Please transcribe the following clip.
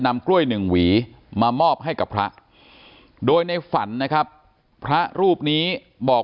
กล้วยหนึ่งหวีมามอบให้กับพระโดยในฝันนะครับพระรูปนี้บอก